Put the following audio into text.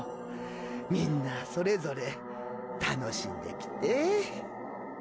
みんなそれぞれ楽しんできて。